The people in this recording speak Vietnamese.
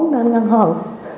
bốn năm ngân hồn